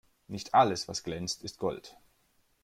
Nicht alles, was glänzt, ist Gold.